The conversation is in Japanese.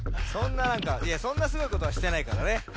そんないやそんなすごいことはしてないからね。